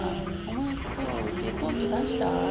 「お前今日レポート出した？」とか。